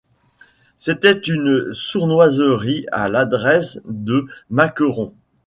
C’était une sournoiserie à l’adresse de Macqueron.